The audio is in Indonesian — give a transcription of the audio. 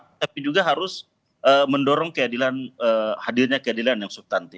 tapi juga harus mendorong hadirnya keadilan yang substantif